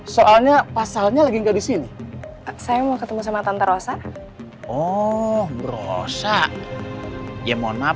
sampai jumpa di video selanjutnya